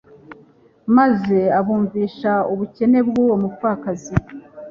maze abumvisha ubukene bw'uwo mupfakazi.